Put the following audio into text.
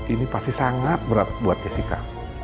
ini pasti sangat berat buat jessica